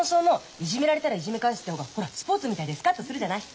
いじめられたらいじめ返すって方がほらスポーツみたいでスカッとするじゃない。